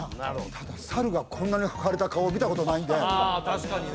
ただ猿がこんなにはれた顔見たことないんであ確かにね